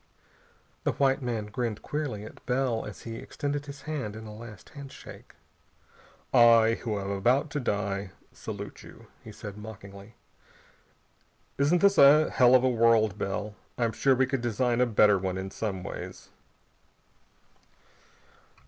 The white man grinned queerly at Bell as he extended his hand in a last handshake. "'I, who am about to die, salute you!'" he said mockingly. "Isn't this a hell of a world, Bell? I'm sure we could design a better one in some ways."